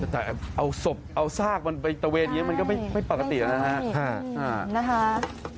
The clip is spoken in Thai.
แต่เอาสบเอาซากมันไปตะเวทนี้มันก็ไม่ปกติแล้วนะคะ